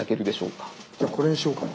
じゃあこれにしようかな。